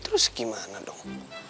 terus gimana dong